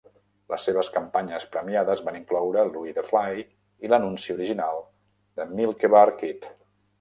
Les seves campanyes premiades van incloure "Louie the Fly" i l'anunci original de "Milkybar Kid".